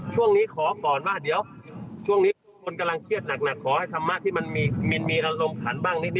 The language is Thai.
ขอก่อนว่าเดี๋ยวช่วงนี้คนกำลังเครียดหนักขอให้ธรรมะที่มันมีอารมณ์ขันบ้างนิด